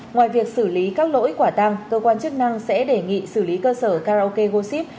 ngoài việc xử lý các lỗi quả tăng cơ quan chức năng sẽ đề nghị xử lý cơ sở karaoke goship